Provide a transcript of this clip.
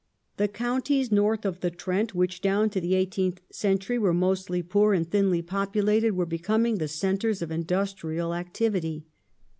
The counties noi th of the Trent, which down to the eighteenth century were mostly poor and thinly populated, were becoming the centres of industrial activity.